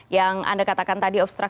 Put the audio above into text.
yang anda katakan tadi obstruction